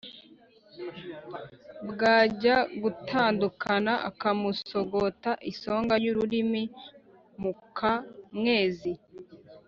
bwajya gutandukana akamusogota isonga y'ururimi muka mwezi;